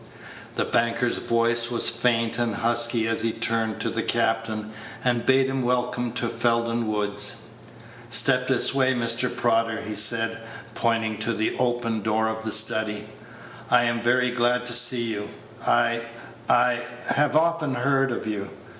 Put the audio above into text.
The banker's voice was faint and husky as he turned to the captain and bade him welcome to Felden Woods. "Step this way, Mr. Prodder," he said, pointing to the open door of the study. "I am very glad to see you. I I have often heard of you.